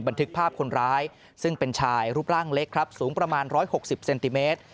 บันทึกภาพคนร้ายซึ่งเป็นชายรูปร่างเล็กครับสูงประมาณ๑๖๐เซนติเมตร